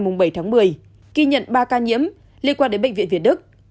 hà nội đã ghi nhận ba ca nhiễm liên quan đến bệnh viện việt đức